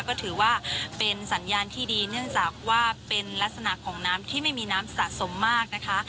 ก็ถือว่าเป็นสัญญาณที่ดีเนื่องจากว่าเป็นลักษณะของน้ำที่ไม่มีน้ำสะสมมากนะคะ